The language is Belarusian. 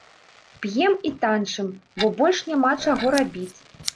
П'ем і танчым, бо больш няма чаго рабіць.